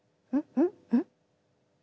うん？